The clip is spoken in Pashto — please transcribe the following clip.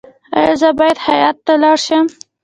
ایا زه باید خیاط ته لاړ شم؟